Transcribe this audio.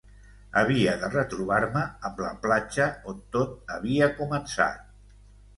Havia de retrobar-me amb la platja on tot havia començat.